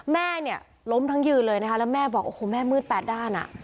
แม่เนี่ยล้มทั้งยืนเลยนะคะแล้วแม่บอกโอ้โหแม่มืดแปดด้านอ่ะ